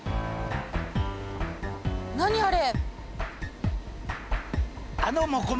何あれ！？